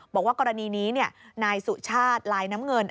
บอกว่ากรณีนี้นายสุชาติลายน้ำเงิน